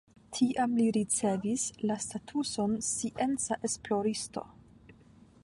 Tiam li ricevis la statuson scienca esploristo.